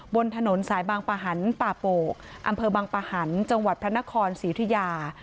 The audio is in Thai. บนถนนสายบางปะหันป่าโปกอำเภอบังปะหันต์จังหวัดพระนครศรีอุทิยา